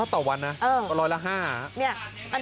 ถ้าต่อวันนะร้อยละ๕